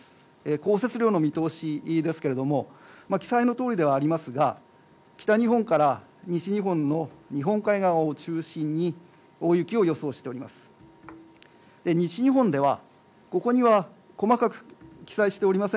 降雪量の見通しですけれども、北日本から西日本の日本海側を中心に大雪を予想しております。